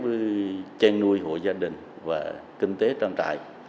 với hình thức gán với chen nuôi hộ gia đình và kinh tế trang trại